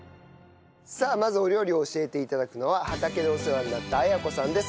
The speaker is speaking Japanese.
さあまずお料理を教えて頂くのは畑でお世話になった文子さんです。